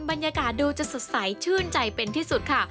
บรรยากาศดูจะสดใสชื่นใจเป็นที่สุดค่ะ